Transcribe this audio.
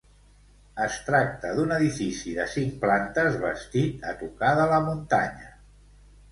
Es tracta d'un edifici de cinc plantes bastit a tocar de la muntanya.